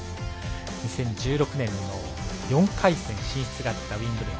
２０１６年の４回戦進出があったウィンブルドン。